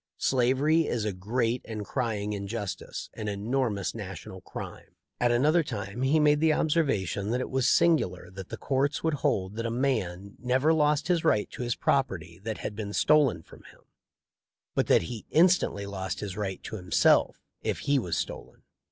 Slavery is a great and crying injustice — an enormous national crime." At another time he made the * Joseph Gillespie, MS. letter, June 9, '66. THE LIFE OF LINCOLX. 367 observation that it was "singular that the courts would hold that a man never lost his right to his property that had been stolen from him, but that he instantly lost his right to himself if he was stolen."